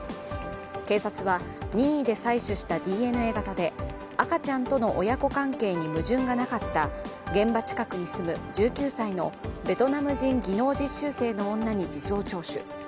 警察は任意で採取したＤＮＡ型で赤ちゃんとの親子関係に矛盾がなかった現場近くに住む１９歳のベトナム人技能実習生の女に事情聴取。